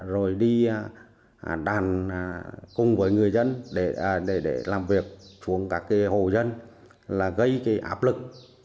rồi đi đàn cùng với người dân để làm việc xuống các hồ dân là gây áp lực